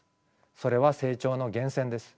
それは成長の源泉です。